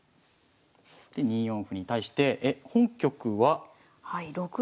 で２四歩に対して本局は。